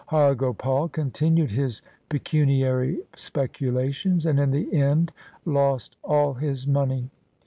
Har Gopal continued his pecuniary speculations, and in the end lost all his money.